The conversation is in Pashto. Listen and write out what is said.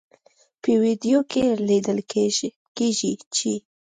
په ویډیو کې لیدل کیږي چې